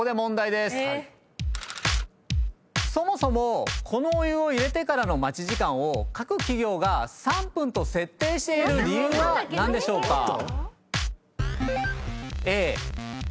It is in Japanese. そもそもこのお湯を入れてからの待ち時間を各企業が３分と設定している理由は何でしょうか？